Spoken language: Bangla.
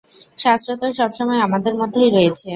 শাস্ত্র তো সবসময় আমাদের মধ্যেই রয়েছে।